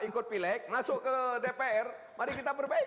ikut pilek masuk ke dpr mari kita perbaiki